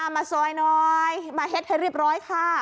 มาซอยน้อยมาเฮ็ดให้เรียบร้อยค่ะ